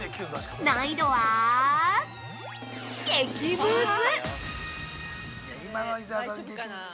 難易度は、激ムズ！